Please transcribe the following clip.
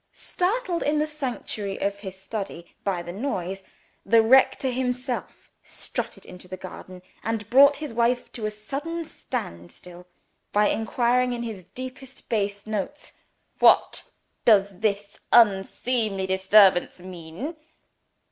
Startled in the sanctuary of his study by the noise, the rector himself strutted into the garden, and brought his wife to a sudden standstill, by inquiring in his deepest base notes, "What does this unseemly disturbance mean?"